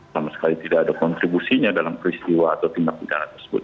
sama sekali tidak ada kontribusinya dalam peristiwa atau tindak pidana tersebut